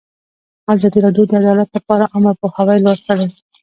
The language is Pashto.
ازادي راډیو د عدالت لپاره عامه پوهاوي لوړ کړی.